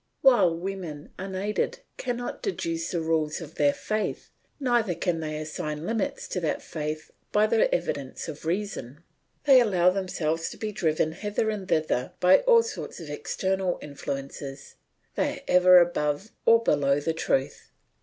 While women unaided cannot deduce the rules of their faith, neither can they assign limits to that faith by the evidence of reason; they allow themselves to be driven hither and thither by all sorts of external influences, they are ever above or below the truth.